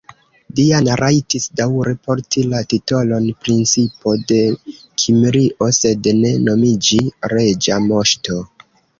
Diana rajtis daŭre porti la titolon "Princino de Kimrio", sed ne nomiĝi "reĝa moŝto".